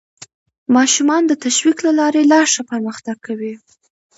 ماشومان د تشویق له لارې لا ښه پرمختګ کوي